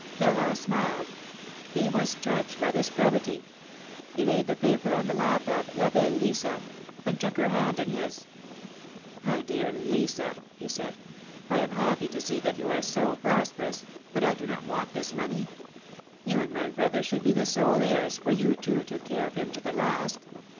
Florent smiled. He was touched by this probity. He laid the paper on the lap of la belle Lisa," and took her hand in his. My dear Lisa," he said, I am happy to see that you are so prosperous, but I do not want this money. You and my brother should be the sole heirs, for you two took care of him to the last.